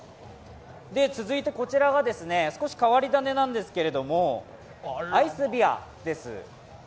続いてこちらが、少し変わり種なんですけれども、アイスビアです。